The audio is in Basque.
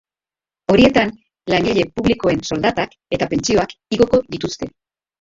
Horietan, langile publikoen soldatak eta pentsioak igoko dituzte.